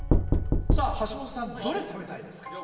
さあ橋本さんどれ食べたいですか？